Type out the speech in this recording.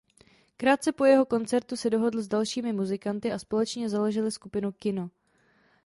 Krátce po jeho koncertu se dohodl s dalšími muzikanty a společně založili skupinu Kino.